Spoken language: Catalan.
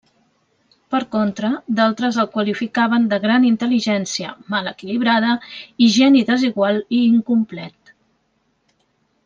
Per contra, d'altres el qualificaven de gran intel·ligència mal equilibrada i geni desigual i incomplet.